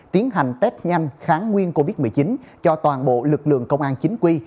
tiến hành test nhanh kháng nguyên covid một mươi chín cho toàn bộ lực lượng công an chính quy